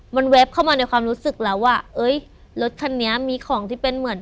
มันเว็บเข้ามาในความรู้สึกแล้วว่าเอ้ยรถคันนี้มีของที่เป็นเหมือน